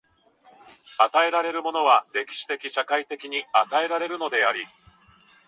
与えられるものは歴史的・社会的に与えられるのであり、